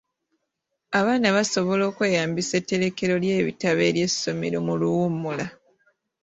Abaana basobola okweyambisa etterekero ly'ebitabo ery'essomero mu luwummula.